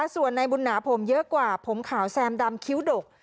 ส่วนในบุญหนาผมเยอะกว่าผมขาวแซมดำคิ้วดก